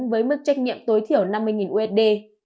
với mức trách nhiệm tối thiểu năm mươi usd